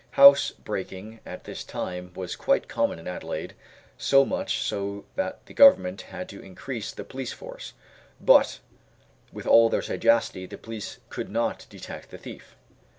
Housebreaking at this time was quite common in Adelaide, so much so that the Government had to increase the police force; but with all their sagacity the police could not detect the thief.